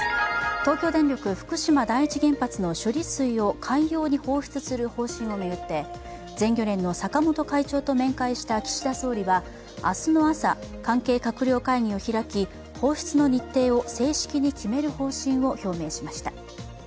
東京電力福島第一原発の処理水を海洋に放出する方針を巡って全漁連の坂本会長と面会した岸田総理は明日の朝、関係閣僚会議を開き、放出の日程を正式に決める方針を表明しました。